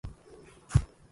توم تنهد بعمق